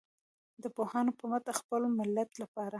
د پوهانو په مټ د خپل ملت لپاره.